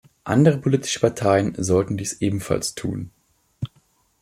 Andere politische Parteien sollten dies ebenfalls tun.